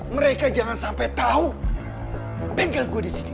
mereka jangan sampai tahu bengkel gue di sini